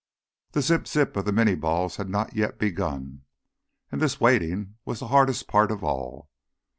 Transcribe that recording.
The zip zip of the Miniés had not yet begun. And this waiting was the hardest part of all.